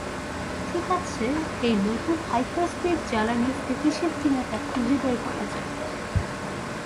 ঠিকাছে, এই নতুন হাইপার-স্পিড জ্বালানী স্থিতিশীল কিনা তা খুঁজে বের করা যাক।